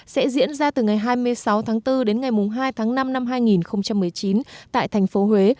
sẽ diễn ra từ ngày hai mươi sáu tháng bốn đến ngày hai tháng năm năm hai nghìn một mươi chín tại thành phố huế